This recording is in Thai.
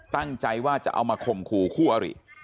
ตั้งใจว่าจะเอามาข่มขู่คู่อริ